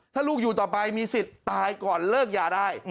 ถ้าลูกอยู่ต่อไปมีสิทธิ์ตายก่อนเลิกยาได้